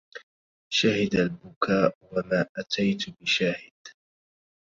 شهد البكاء وما أتيت بشاهد